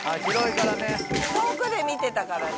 遠くで見てたからね。